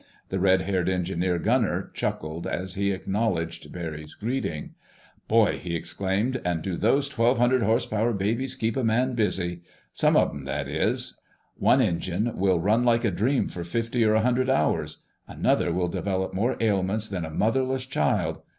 The red haired engineer gunner chuckled as he acknowledged Barry's greeting. "Boy!" he exclaimed. "And do those 1200 horsepower babies keep a man busy! Some of 'em, that is. One engine will run like a dream for fifty or a hundred hours. Another will develop more ailments than a motherless child.